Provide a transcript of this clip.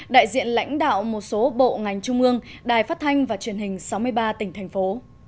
đại diện lãnh đạo một số bộ ngành trung ương đài phát thanh và truyền hình sáu mươi ba tỉnh thành phố